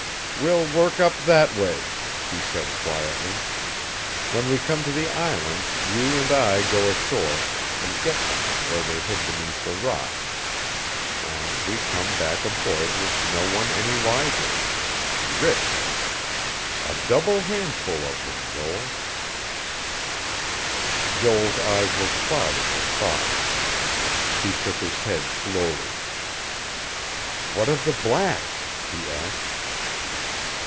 "We'll work up that way," he said quietly. "When we come to the island, you and I go ashore, and get them where they're hid beneath the rock; and we come back aboard with no one any wiser.... Rich. A double handful of them, Joel...." Joel's eyes were clouded with thought; he shook his head slowly. "What of the blacks?" he asked.